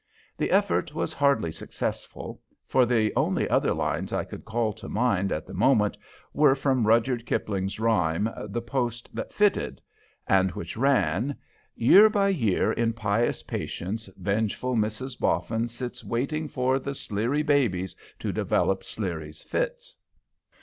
The effort was hardly successful, for the only other lines I could call to mind at the moment were from Rudyard Kipling's rhyme, "The Post that Fitted," and which ran, "Year by year, in pious patience, vengeful Mrs. Boffin sits Waiting for the Sleary babies to develop Sleary's fits."